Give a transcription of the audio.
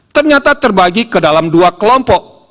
ternyata terbagi ke dalam dua kelompok